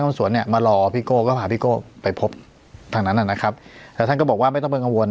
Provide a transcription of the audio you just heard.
สวนเนี่ยมารอพี่โก้ก็พาพี่โก้ไปพบทางนั้นนะครับแล้วท่านก็บอกว่าไม่ต้องเป็นกังวล